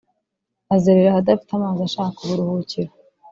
azerera ahadafite amazi ashaka uburuhukiro